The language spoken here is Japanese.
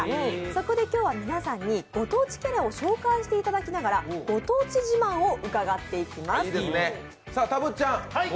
そこで今日は皆さんにご当地キャラを紹介していただきながらご当地自慢を伺っていきます。